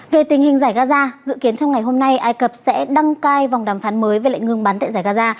về tình hình giải gaza dự kiến trong ngày hôm nay ai cập sẽ đăng cai vòng đàm phán mới về lệnh ngừng bắn tại giải gaza